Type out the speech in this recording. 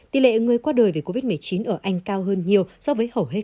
tỷ lệ người qua đời vì covid một mươi chín ở anh cao hơn nhiều so với hầu hết